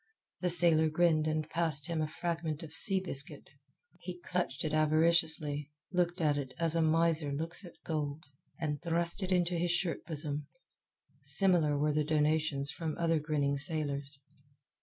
The sailor grinned and passed him a fragment of sea biscuit. He clutched it avariciously, looked at it as a miser looks at gold, and thrust it into his shirt bosom. Similar were the donations from other grinning sailors.